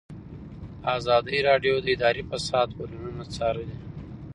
ازادي راډیو د اداري فساد بدلونونه څارلي.